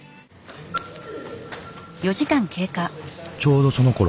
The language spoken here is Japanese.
ちょうどそのころ